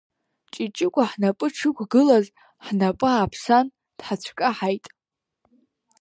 Ҷыҷыкәа ҳнапы дшықәгылаз, ҳнапы ааԥсан дҳацәкаҳаит.